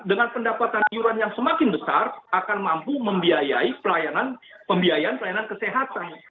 dengan pendapatan iuran yang semakin besar akan mampu membiayai pelayanan pembiayaan pelayanan kesehatan